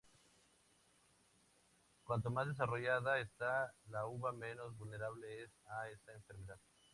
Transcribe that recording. Cuanto más desarrollada está la uva menos vulnerable es a esta enfermedad.